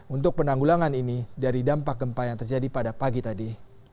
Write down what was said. untuk penanggulangan ini dari dampak gempa yang terjadi pada pagi tadi